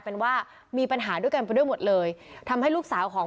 เป็นว่ามีปัญหาด้วยกันไปด้วยหมดเลยทำให้ลูกสาวของ